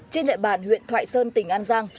trên địa bàn huyện thoại sơn tỉnh an giang